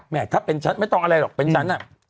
ถ้าเป็นฉันไม่ต้องอะไรหรอกเป็นฉันน่ะ